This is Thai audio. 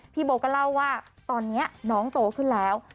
โบก็เล่าว่าตอนนี้น้องโตขึ้นแล้ว